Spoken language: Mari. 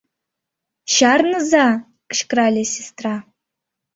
— Чарныза! — кычкырале сестра.